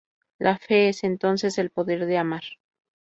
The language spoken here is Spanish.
La fe es, entonces, el poder de amar.